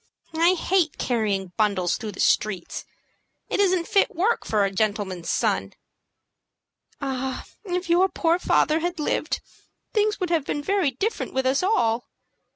"I hate carrying bundles through the streets. It isn't fit work for a gentleman's son." "Ah, if your poor father had lived, things would have been very different with us all!"